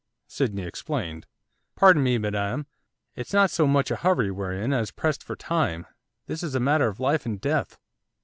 Sydney explained. 'Pardon me, madam, it's not so much a hurry we're in as pressed for time, this is a matter of life and death.